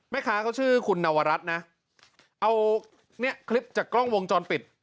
แม่ค้าเขาชื่อคุณนวรัฐนะเอาเนี่ยคลิปจากกล้องวงจรปิด